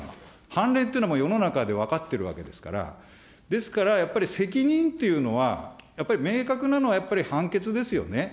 判例っていうのはもう、世の中で分かってるわけですから、ですからやっぱり、責任っていうのはやっぱり明確なのはやっぱり判決ですよね。